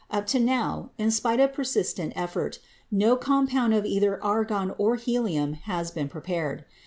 Up to now, in spite of persistent effort, no compound of either argon or helium has been prepared.